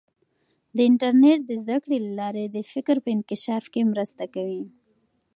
د انټرنیټ د زده کړې له لارې د فکر په انکشاف کې مرسته کوي.